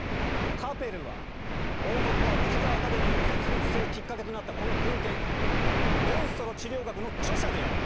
カペルは王国がムジカ・アカデミーを設立するきっかけとなったこの文献「モンストロ治療学」の著者である！